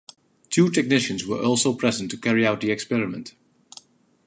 Two technicians were also present to carry out the experiment.